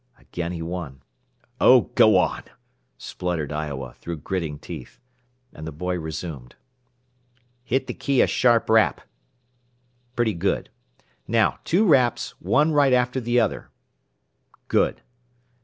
Again he won. "Oh, go on!" sputtered Iowa, through gritting teeth. And the boy resumed. "Hit the key a sharp rap! Pretty good. Now, two raps, one right after the other. Good.